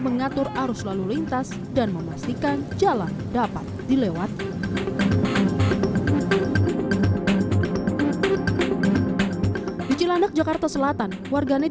mengatur arus lalu lintas dan memastikan jalan dapat dilewati di cilandak jakarta selatan warganet